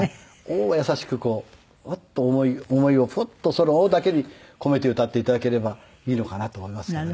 「を」を優しくこうふっと思いをふっとその「を」だけに込めて歌って頂ければいいのかなと思いますけどね。